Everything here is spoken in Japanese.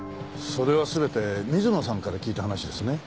それは全て水野さんから聞いた話ですね。